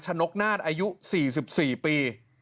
นกนาฏอายุ๔๔ปี